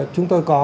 chúng tôi có